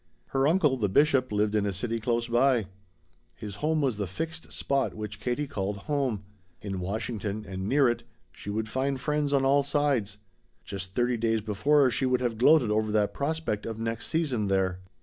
Her uncle, the Bishop, lived in a city close by. His home was the fixed spot which Katie called home. In Washington and near it she would find friends on all sides. Just thirty days before she would have gloated over that prospect of next season there.